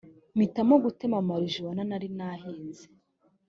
mpitamo gutema marijuwana nari narahinze